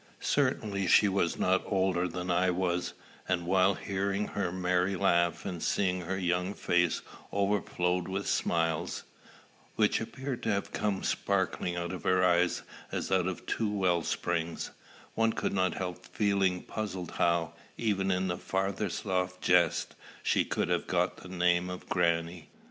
Certainly she was not older than I was; and while hearing her merry laugh, and seeing her young face overflowed with smiles, which appeared to come sparkling out of her eyes as out of two well springs, one could not help feeling puzzled how, even in the farthest off jest, she could have got the name of grannie.